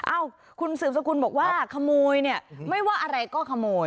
เอ้าคุณสืบสกุลบอกว่าขโมยเนี่ยไม่ว่าอะไรก็ขโมย